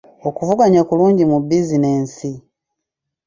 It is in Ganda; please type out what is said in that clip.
Okuvuganya kulungi mu bizinensi.